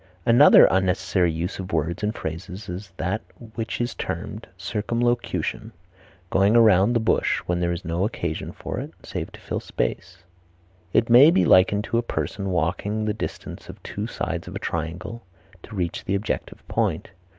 Another unnecessary use of words and phrases is that which is termed circumlocution, a going around the bush when there is no occasion for it, save to fill space. It may be likened to a person walking the distance of two sides of a triangle to reach the objective point.